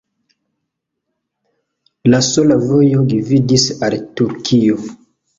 La sola vojo gvidis al Turkio.